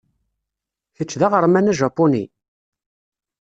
Kečč d aɣerman ajapuni?